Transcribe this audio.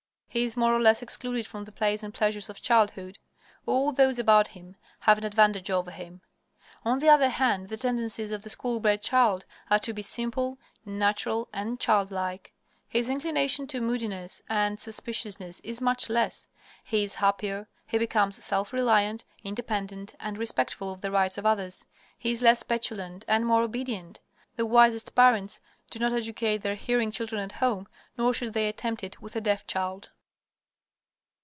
He is more or less excluded from the plays and pleasures of childhood. All those about him have an advantage over him. On the other hand, the tendencies of the school bred child are to be simple, natural, and childlike. His inclination to moodiness and suspiciousness is much less. He is happier. He becomes self reliant, independent, and respectful of the rights of others. He is less petulant and more obedient. The wisest parents do not educate their hearing children at home, nor should they attempt it with a deaf child.